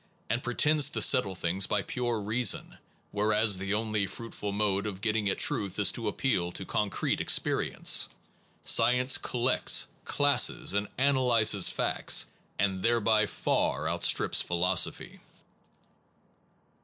24 PHILOSOPHY AND ITS CRITICS pretends to settle things by pure reason, whereas the only fruitful mode of getting at truth is to appeal to concrete experience. Sci ence collects, classes, and analyzes facts, and thereby far outstrips philosophy.